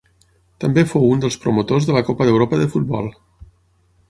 També fou un dels promotors de la Copa d'Europa de futbol.